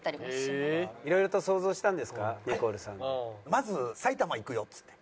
まず埼玉行くよっつって。